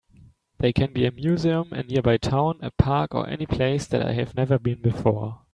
They can be a museum, a nearby town, a park, or any place that I have never been before.